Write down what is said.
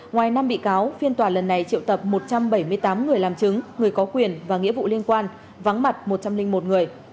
ngoài năm bị cáo phiên tòa lần này triệu tập một trăm bảy mươi tám người làm chứng người có quyền và nghĩa vụ liên quan vắng mặt một trăm linh một người